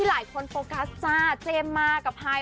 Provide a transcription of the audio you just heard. หลายคนก็ยังรุ้นกันต่อเนาะ